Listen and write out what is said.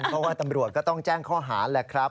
เพราะว่าตำรวจก็ต้องแจ้งข้อหาแหละครับ